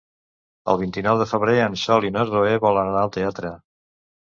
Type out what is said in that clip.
El vint-i-nou de febrer en Sol i na Zoè volen anar al teatre.